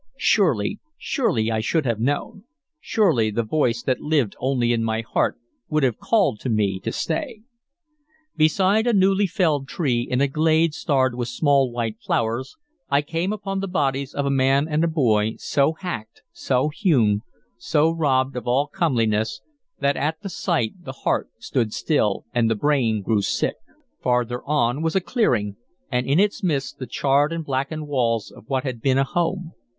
Surely, surely I should have known; surely the voice that lived only in my heart would have called to me to stay. Beside a newly felled tree, in a glade starred with small white flowers, I came upon the bodies of a man and a boy, so hacked, so hewn, so robbed of all comeliness, that at the sight the heart stood still and the brain grew sick. Farther on was a clearing, and in its midst the charred and blackened walls of what had been a home.